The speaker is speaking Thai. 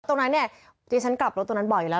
ตรงนั้นเนี่ยดิฉันกลับรถตรงนั้นบ่อยอยู่แล้ว